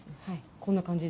こんな感じで。